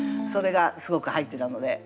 それがすごく入ってたので。